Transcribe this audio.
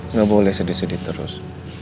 nggak boleh sedih sedih terus